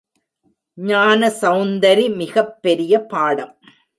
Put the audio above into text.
ஞானசெளந்தரி மிகப் பெரிய பாடம்.